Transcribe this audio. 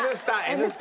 『Ｎスタ』？